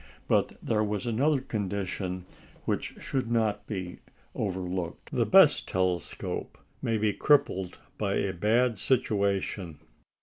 But there was another condition which should not be overlooked. The best telescope may be crippled by a bad situation.